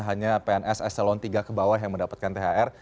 hanya pns eselon tiga ke bawah yang mendapatkan thr